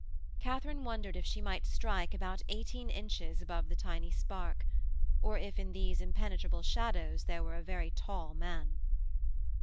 Katharine wondered if she might strike about eighteen inches above the tiny spark: or if in these impenetrable shadows there were a very tall man.